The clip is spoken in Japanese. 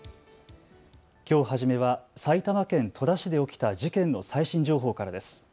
きょう初めは埼玉県戸田市で起きた事件の最新情報からです。